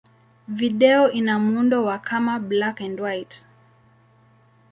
Video ina muundo wa kama black-and-white.